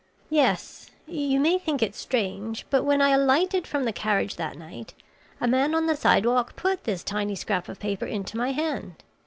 "Yes. You may think it strange, but when I alighted from the carriage that night, a man on the sidewalk put this tiny scrap of paper into my hand.